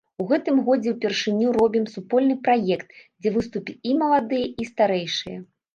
У гэтым годзе ўпершыню робім супольны праект, дзе выступяць і маладыя, і старэйшыя.